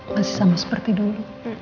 masih sama seperti dulu